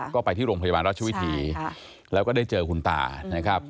ก็ไปที่โรงพยาบาลราชวิถีแล้วก็ได้เจอคุณตานะครับ